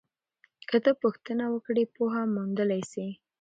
که ته پوښتنه وکړې پوهه موندلی سې.